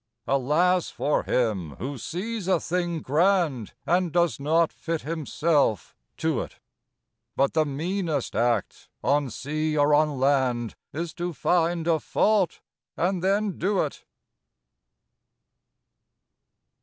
Alas for him who sees a thing grand And does not fit himself to it! But the meanest act, on sea or on land, Is to find a fault, and then do it!